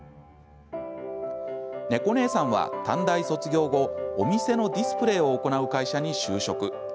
ねこねえさんは短大卒業後お店のディスプレーを行う会社に就職。